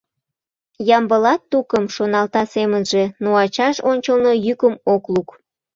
Ямбылат тукым», — шоналта семынже, но ачаж ончылно йӱкым ок лук.